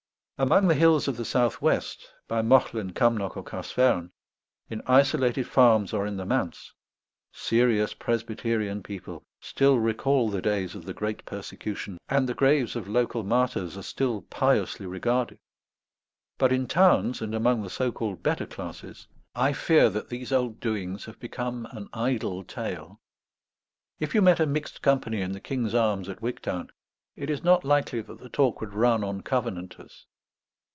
Among the hills of the south west, by Mauchline, Cumnock, or Carsphairn, in isolated farms or in the manse, serious Presbyterian people still recall the days of the great persecution, and the graves of local martyrs are still piously regarded. But in towns and among the so called better classes, I fear that these old doings have become an idle tale. If you met a mixed company in the King's Arms at Wigtown, it is not likely that the talk would run on Covenanters.